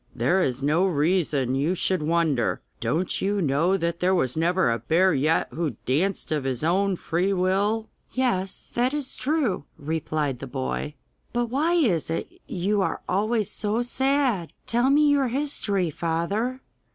'There is no reason you should wonder! Don't you know that there was never a bear yet who danced of his own free will?' 'Yes, that is true,' replied the boy. 'But why is it you are always so sad? Tell me your history, father.